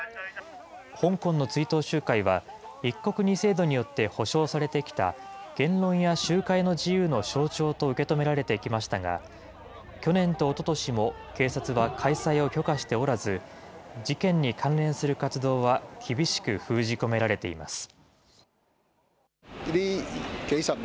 香港の追悼集会は、一国二制度によって保障されてきた言論や集会の自由の象徴と受け止められてきましたが、去年とおととしも警察は開催を許可しておらず、事件に関連する活動は厳しく封じ込められています。